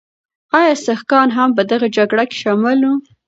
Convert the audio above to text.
ایا سکهان هم په دغه جګړه کې شامل وو؟